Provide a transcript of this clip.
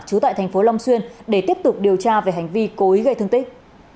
chú tại tp long xuyên để tiếp tục điều tra về hành vi cố ý gây thương tích